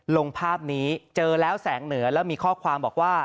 ลงภาพนี้เจอแล้วแสงเหนือแล้วมีข้อความบอกว่า